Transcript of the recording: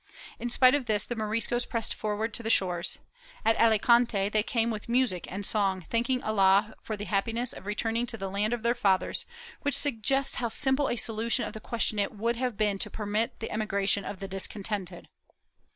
In spite of this the Moriscos pressed forward to the shores. At Alicante they came with music and song, thanking Allah for the happiness of returning to the land of their fathers, which suggests how simple a solution of the question it would have been to permit the emigration of the discontented.